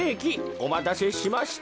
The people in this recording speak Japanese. おまたせしました。